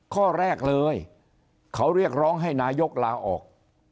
ข้อแรกเลยเขาเรียกร้องให้นายกลาออก